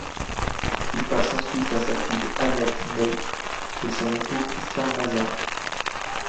Il passe ensuite à sa fille Annette May et son époux Christian Lazard.